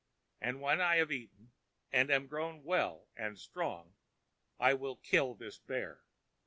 And when I have eaten, and am grown well and strong, I will kill this bear.